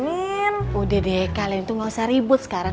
amin udah deh kalian tuh gak usah ribut sekarang